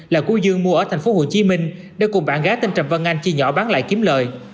là của dương mua ở thành phố hồ chí minh để cùng bạn gái tên trầm vân anh chi nhỏ bán lại kiếm lời